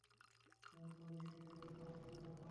তুমি কোন কিছুতেই ভয় পাও না, পাও কি?